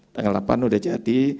tanggal delapan sudah jadi